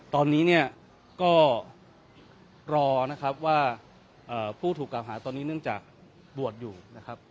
ตอนนี้เนี่ยก็รอนะครับว่าผู้ถูกกล่าวหาตอนนี้เนื่องจากบวชอยู่นะครับ